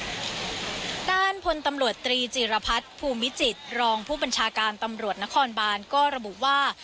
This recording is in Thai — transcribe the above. ด้านพลตำรวจตรีจิรพัฒน์ภูมิวิจิตรรองผู้บัญชาการตำรวจนครบานก็ระบุว่า